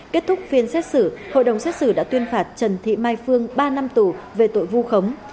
kết thúc phiên xét xử hội đồng xét xử đã tuyên phạt trần thị mai phương ba năm tù về tội vu khống